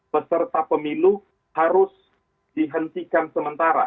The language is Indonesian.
peserta pemilu harus dihentikan sementara